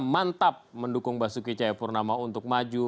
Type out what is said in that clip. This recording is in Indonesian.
mantap mendukung basuki cahayapurnama untuk maju